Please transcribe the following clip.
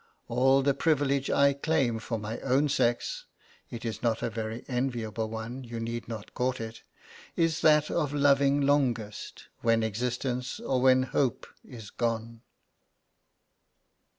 _All the privilege I claim for my own sex (it is not a very enviable one, you need not court it) is that of loving longest when existence or when hope is gone.